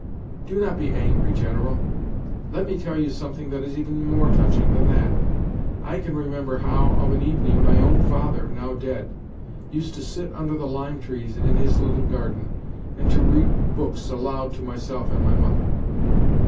Do not be angry, General. Let me tell you something that is even more touching than that. I can remember how, of an evening, my own father, now dead, used to sit under the lime trees in his little garden, and to read books aloud to myself and my mother.